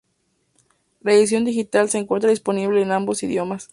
La edición digital se encuentra disponible en ambos idiomas.